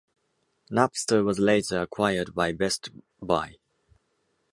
Napster was later acquired by Best Buy.